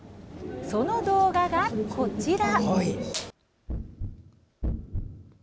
その動画がこちら。